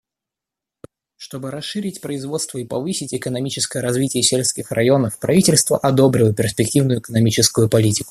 Чтобы расширить производство и повысить экономическое развитие сельских районов, правительство одобрило перспективную экономическую политику.